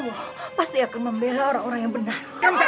wah pasti akan membela orang orang yang benar